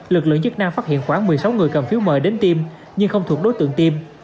lực lượng chức năng phát hiện khoảng một mươi sáu người cầm phiếu mời đến tim nhưng không thuộc đối tượng tiêm